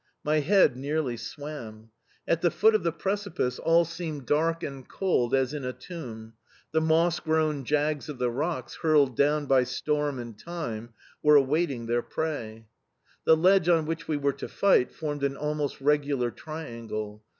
My head nearly swam. At the foot of the precipice all seemed dark and cold as in a tomb; the moss grown jags of the rocks, hurled down by storm and time, were awaiting their prey. The ledge on which we were to fight formed an almost regular triangle.